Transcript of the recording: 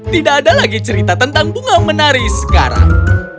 tidak ada lagi cerita tentang bunga menari sekarang